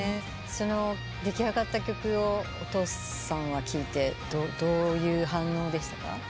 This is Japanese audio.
出来上がった曲をお父さんは聴いてどういう反応でしたか？